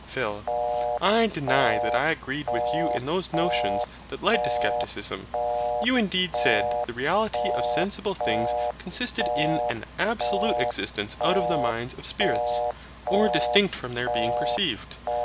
PHIL. I deny that I agreed with you in those notions that led to Scepticism. You indeed said the REALITY of sensible things consisted in AN ABSOLUTE EXISTENCE OUT OF THE MINDS OF SPIRITS, or distinct from their being perceived.